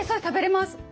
食べれます。